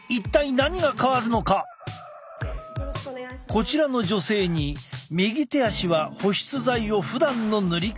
こちらの女性に右手足は保湿剤をふだんの塗り方で。